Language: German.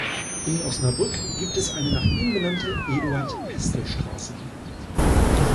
In Osnabrück gibt es eine nach ihm benannte "Eduard-Pestel-Straße".